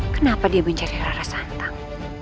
kenapa dia mencari rara santang